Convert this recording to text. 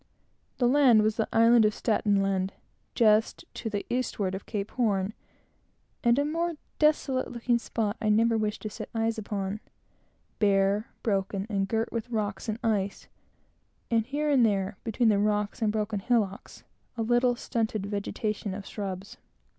The land was the island of Staten Land, and, just to the eastward of Cape Horn; and a more desolate looking spot I never wish to set eyes upon; bare, broken, and girt with rocks and ice, with here and there, between the rocks and broken hillocks, a little stunted vegetation of shrubs.